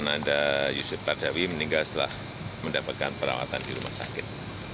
ananda yusuf kardawi meninggal setelah mendapatkan perawatan di rumah sakit